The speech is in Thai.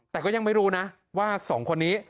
แต่ก็ยังไม่รู้นะว่า๒คนนี้